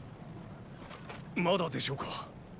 まだでしょうか。